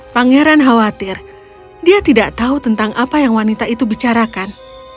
pangeran khawatir dia tidak tahu tentang apa yang wanita itu bicarakan